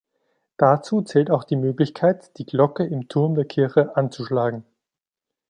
Dazu zählt auch die Möglichkeit, die Glocken im Turm der Kirche anzuschlagen.